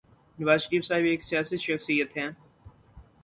نواز شریف صاحب ایک سیاسی شخصیت ہیں۔